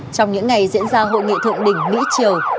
trong những ngày diễn ra hội nghị thượng đỉnh mỹ triều